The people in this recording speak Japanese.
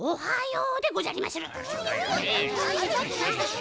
う。